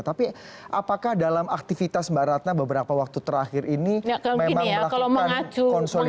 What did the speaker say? tapi apakah dalam aktivitas mbak ratna beberapa waktu terakhir ini memang melakukan konsolidasi untuk melakukan cabut mandat ini